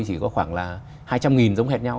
chỉ có khoảng là hai trăm linh nghìn giống hệt nhau